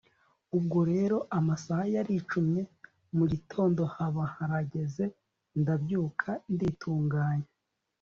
ubwo rero amasaha yaricumye mugitondo haba harageze, ndabyuka nditunganya